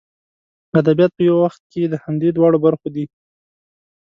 ادبیات په یو وخت کې د همدې دواړو برخو دي.